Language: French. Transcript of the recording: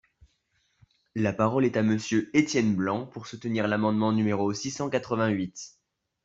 La parole est à Monsieur Étienne Blanc, pour soutenir l’amendement numéro six cent quatre-vingt-huit.